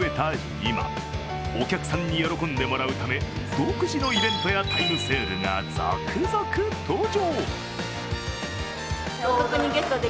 今、お客さんに喜んでもらうため独自のイベントやタイムセールが続々登場。